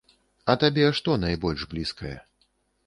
А табе што найбольш блізкае?